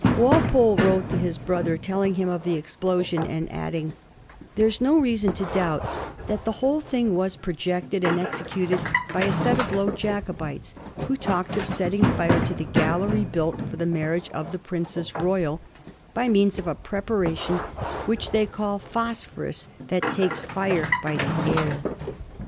Walpole wrote to his brother, telling him of the explosion, and adding, "There is no reason to doubt that the whole thing was projected and executed by a set of low Jacobites who talked of set ting fire to the gallery built for the marriage of the Prin cess Royal " by means of " a preparation which they call phosphorus, that takes fire by the air."